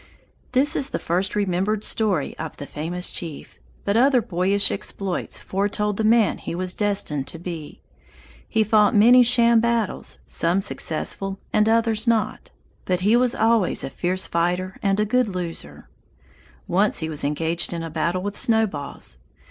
This is the first remembered story of the famous chief, but other boyish exploits foretold the man he was destined to be. He fought many sham battles, some successful and others not; but he was always a fierce fighter and a good loser. Once he was engaged in a battle with snowballs.